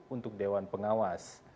untuk dewan pengawas